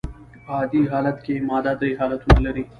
په عادي حالت کي ماده درې حالتونه لري.